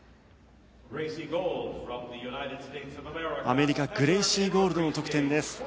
アメリカグレイシー・ゴールドの得点です。